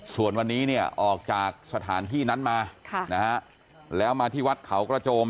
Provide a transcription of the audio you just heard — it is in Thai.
ส่วนวันนี้เนี่ยออกจากสถานที่นั้นมาแล้วมาที่วัดเขากระโจม